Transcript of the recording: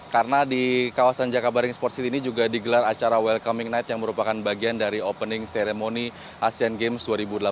karena di kawasan jakabaring sports city ini juga digelar acara welcoming night yang merupakan bagian dari opening ceremony asean games dua ribu delapan belas